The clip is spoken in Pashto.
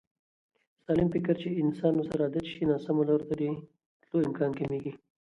. سالم فکر چې انسان ورسره عادت شي، ناسمو لارو ته د تلو امکان کمېږي.